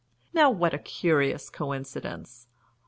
Now what a curious coincidence!